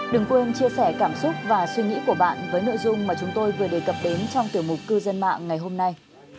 đừng quên chia sẻ cảm xúc và suy nghĩ của bạn với nội dung mà chúng tôi vừa đề cập đến trong tiểu mục cư dân mạng ngày hôm nay